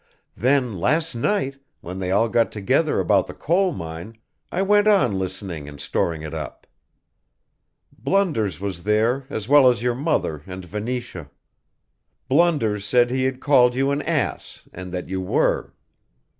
Then, last night, when they all got together about the coal mine I went on listening and storing it up. Blunders was there as well as your mother and Venetia. Blunders said he had called you an ass and that you were.